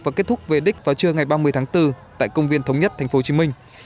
và kết thúc về đích vào trưa ngày ba mươi tháng bốn tại công viên thống nhất thành phố hồ chí minh